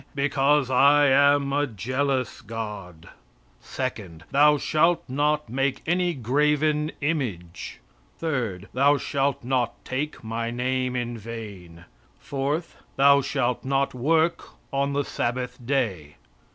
"Because I am a jealous God." Second, "Thou shalt not make any graven image." Third, "Thou shalt not take My name in vain." Fourth, "Thou shalt not work on the Sabbath day."